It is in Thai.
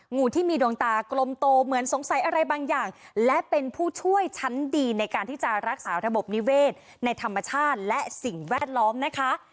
งูที่มีดวงตากลมโตเหมือนสงสัยอะไรบางอย่างและเป็นผู้ช่วยชั้นดีในการที่จะรักษาระบบนิเวศในธรรมชาติและสิ่งแวดล้อมนะคะ